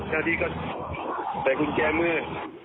เจ้าหน้าที่ก็ใส่กุญแจมือ